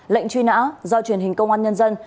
lệnh truy nã do truyền hình công an nhân dân